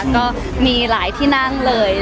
ก็มีหลายที่นั่งเลย